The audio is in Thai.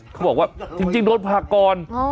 เขาบอกว่าจริงโดนผักก่อน